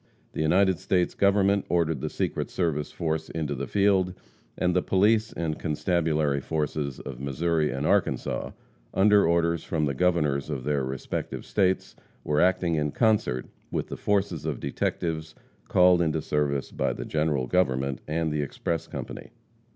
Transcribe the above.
The United States Government ordered the Secret Service force into the field, and the police and constabulary forces of Missouri and Arkansas, under orders from the Governors of the respective states, were acting in concert with the forces of detectives called into service by the General Government and the express company.